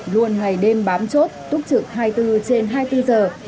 luôn ngày đêm bám chốt túc trực hai mươi bốn trên hai mươi bốn giờ